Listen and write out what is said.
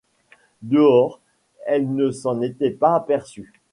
Dehors, elle ne s’en était pas aperçue.